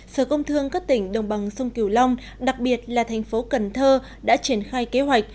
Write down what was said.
sở công thương các tỉnh đồng bằng sông kiều long đặc biệt là thành phố cần thơ đã triển khai kế hoạch